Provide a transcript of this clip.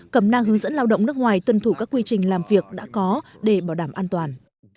cẩm năng hướng dẫn lao động nước ngoài tuân thủ các quy trình làm việc đã có để bảo đảm an toàn